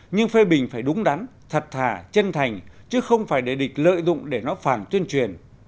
nhưng phê bình phải đúng đắn thật thả chân thành chứ không phải để địch lợi dụng để nó phản tuyên truyền